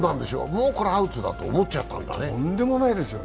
もうこれアウトだと思っちゃったんだね